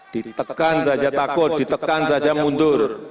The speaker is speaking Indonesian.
ditekan saja takut ditekan saja mundur